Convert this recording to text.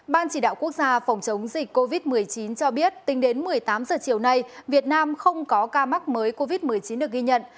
ban chỉ đạo quốc gia phòng chống dịch covid một mươi chín cho biết tính đến một mươi tám h chiều nay việt nam không có ca mắc mới covid một mươi chín được ghi nhận